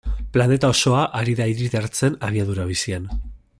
Planeta osoa ari da hiritartzen abiadura bizian.